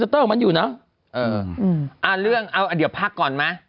ของมันอยู่เนอะเอออ่าเรื่องเอาอ่าเดี๋ยวพักก่อนแนะ